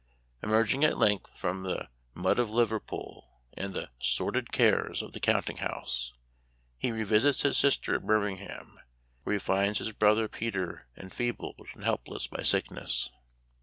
Emerging at length from " the mud of Liverpool," and the " sordid cares of the counting house," he revisits his sister at Birmingham, where he finds his brother Peter enfeebled and helpless by sickness.